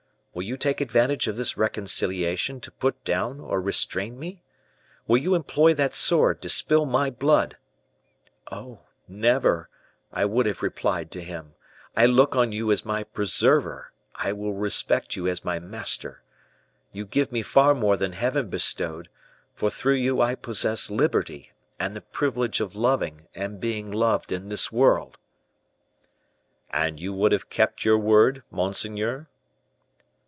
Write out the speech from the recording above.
Will you take advantage of this reconciliation to put down or restrain me? Will you employ that sword to spill my blood?' 'Oh! never,' I would have replied to him, 'I look on you as my preserver, I will respect you as my master. You give me far more than Heaven bestowed; for through you I possess liberty and the privilege of loving and being loved in this world.'" "And you would have kept your word, monseigneur?"